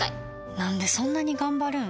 なんでそんなに頑張るん？